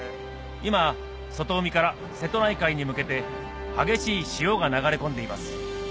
今外海から瀬戸内海に向けて激しい潮が流れ込んでいます